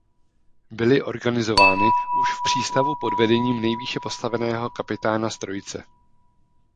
Byly organizovány už v přístavu pod vedením nejvýše postaveného kapitána z trojice.